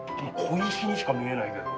小石にしか見えないけど。